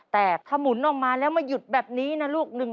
แต่ถ้าหมุนออกมาแล้วมาหยุดแบบนี้นะลูก